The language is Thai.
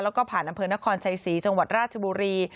แล้วก็ผ่านอำเภอนครชัยศรีจังหวัดราชบุรี